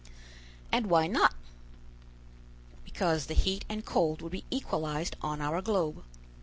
"And why not?" "Because the heat and cold would be equalized on our globe.